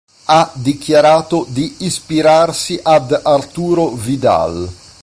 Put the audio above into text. Ha dichiarato di ispirarsi ad Arturo Vidal.